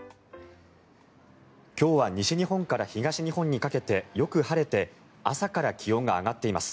今日は西日本から東日本にかけてよく晴れて朝から気温が上がっています。